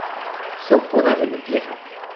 Son podas de limpieza.